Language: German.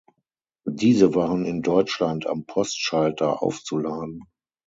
Diese waren in Deutschland am Postschalter aufzuladen.